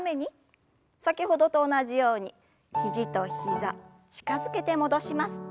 先ほどと同じように肘と膝近づけて戻します。